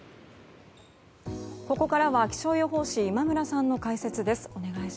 ここからは気象予報士今村さんの解説です。